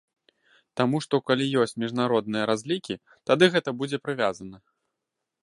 Таму што калі ёсць міжнародныя разлікі, тады гэта будзе прывязана.